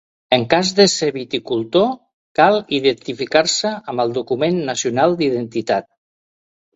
En cas de ser viticultor cal identificar-se amb el document nacional d'identitat.